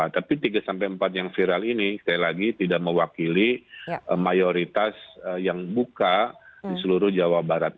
tapi tiga sampai empat yang viral ini sekali lagi tidak mewakili mayoritas yang buka di seluruh jawa barat